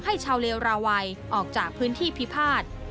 ชาวเลวราวัยออกจากพื้นที่พิพาท